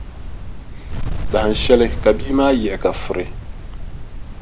Dahinshɛli, ka bia maa yiɣi ka furi.